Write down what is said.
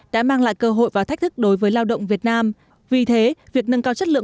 đã mang lại cơ hội và thách thức đối với lao động việt nam vì thế việc nâng cao chất lượng